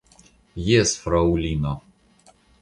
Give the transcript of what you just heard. Jes, fraŭlino.